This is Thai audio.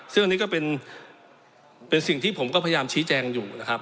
ซึ่งอันนี้ก็เป็นสิ่งที่ผมก็พยายามชี้แจงอยู่นะครับ